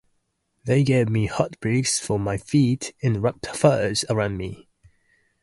They gave me hot bricks for my feet and wrapped furs around me.